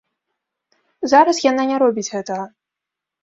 Зараз яна не робіць гэтага.